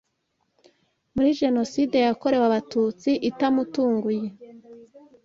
muri Jenoside yakorewe Abatutsi itamutunguye